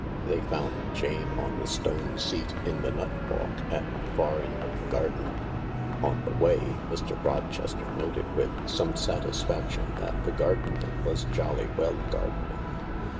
Theyfound Jane on the stone seatin the nut walk at the far end of the garden. On the way, Mr. Rochester noted with some satisfaction that the gardener was jolly well gardening.